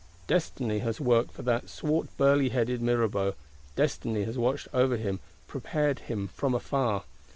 Destiny has work for that swart burly headed Mirabeau; Destiny has watched over him, prepared him from afar.